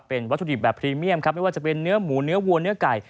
เป็นวัตถุดิบแบบพรีเมียมครับไม่ว่าจะเป็นเนื้อหมูเนื้อวัวเนื้อไก่